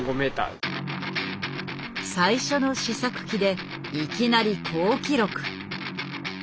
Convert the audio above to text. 最初の試作機でいきなり好記録。